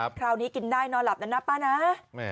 คราวนี้กินได้นอนหลับนะนะป้านะ